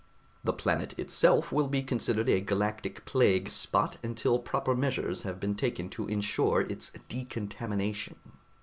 The planet itself will be considered a galactic plague spot until proper measures have been taken to insure its decontamination."